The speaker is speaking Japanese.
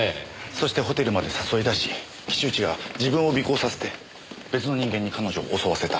そしてホテルまで誘い出し岸内が自分を尾行させて別の人間に彼女を襲わせた。